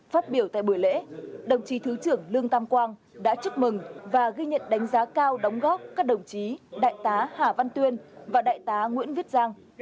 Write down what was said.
phát biểu tại buổi lễ đồng chí thứ trưởng lương tam quang đã chúc mừng và ghi nhận đánh giá cao đóng góp các đồng chí đại tá hà văn tuyên và đại tá nguyễn viết giang